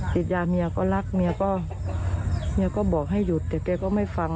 ติดยาเมียก็รักเมียก็เมียก็บอกให้หยุดแต่แกก็ไม่ฟัง